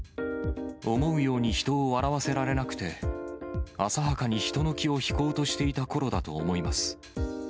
思うように人を笑わせられなくて、浅はかに人の気を引こうとしていたころだと思います。